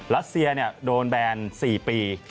รัสเซียโดนแบน๔ปี